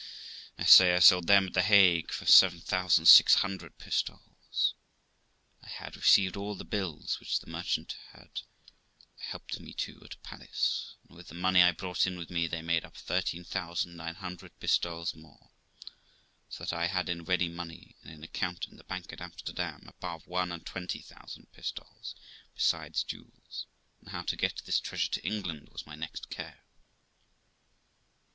I say I sold them at the Hague for 7600 pistoles. I had received all the bills which the merchant had helped me to at Paris, and with the money I brought with me they made up 13,900 pistoles more; so that I had in ready money, and in account in the bank at Amsterdam, above one and twenty thousand pistoles, besides jewels; and how to get this treasure to England was my next care.